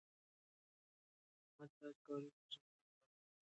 حکومت باید کاري فرصتونه برابر وکړي.